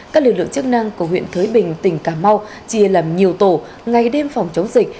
các lực lượng chức năng của huyện thới bình tỉnh cà mau chia làm nhiều tổ ngày đêm phòng chống dịch